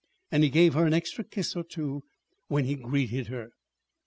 And he gave her an extra kiss or two when he greeted her.